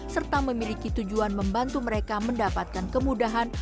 serta memiliki tujuan membantu mereka mendapatkan kemudahan